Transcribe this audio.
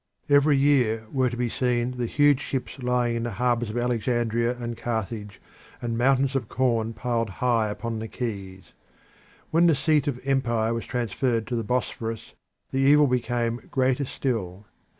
Every year were to be seen the huge ships lying in the harbours of Alexandria and Carthage, and the mountains of corn piled high upon the quays. When the seat of empire was transferred to the Bosphorus the evil became greater still.